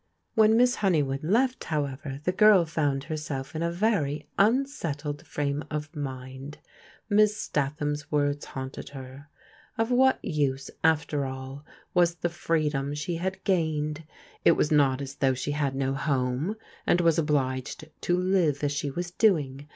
When Miss Honeywood left, however, the girl found herself in a very unsettled frame of mind. Miss Stat ham's words haunted her. Of what use, after all, was the freedom she had gained? It was not as though she had no home, and was obliged to live as she was doing.